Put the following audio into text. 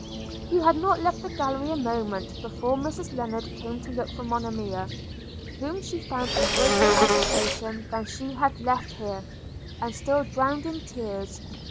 He had not left the gallery a moment before Mrs Lennard came to look for Monimia, whom she found in greater agitation than she had left here, and still drowned in tears.